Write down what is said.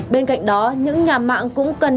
bên cạnh đó những nhà mạng cũng cần